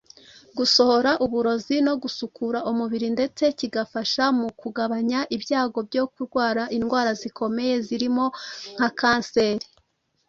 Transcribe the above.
gusohora uburozi no gusukura umubiri ndetse kigafasha mu kugabanya ibyago byo kurwara indwara zikomeye zirimo nka kanseri